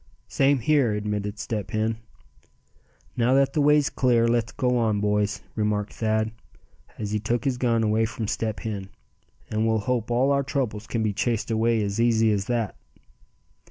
"Same here," admitted Step Hen. "Now that the way's clear, let's go on, boys," remarked Thad, as he took his gun again from Step Hen; "and we'll hope all our troubles can be chased away as easy as that."